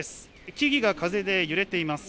木々が風で揺れています。